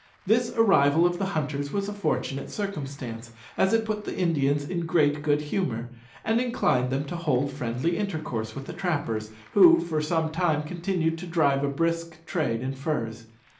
This arrival of the hunters was a fortunate circumstance, as it put the Indians in great good humour, and inclined them to hold friendly intercourse with the trappers, who for some time continued to drive a brisk trade in furs.